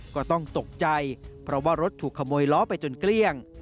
ก็ต้องตกใจเพราะว่ารถถูกขโมยล้อไปจนเกลี้ยง